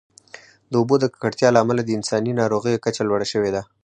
د اوبو د ککړتیا له امله د انساني ناروغیو کچه لوړه شوې ده.